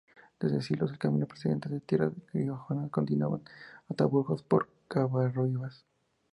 Desde Silos, el camino procedente de tierras riojanas continuaba hasta Burgos por Covarrubias.